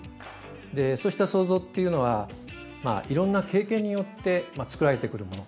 でそうした想像っていうのはまあいろんな経験によって作られてくるもの。